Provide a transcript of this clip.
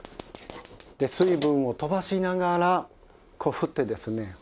で水分をとばしながらこう振ってですね